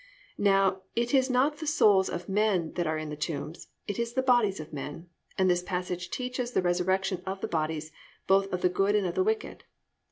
"+ Now it is not the souls of men that are in the tombs, it is the bodies of men, and this passage teaches the resurrection of the bodies, both of the good and of the wicked.